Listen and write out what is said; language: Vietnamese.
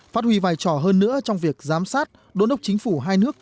phát huy vài trò hơn nữa trong việc giám sát đốn đốc chính phủ hai nước